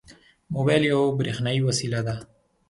موبایل یوه برېښنایي وسیله ده.